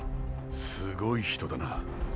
すごい人だな。